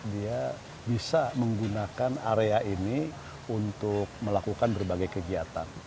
dia bisa menggunakan area ini untuk melakukan berbagai kegiatan